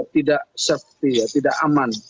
tidak safety ya tidak aman